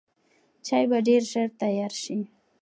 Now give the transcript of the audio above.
چای به ډېر ژر تیار شي.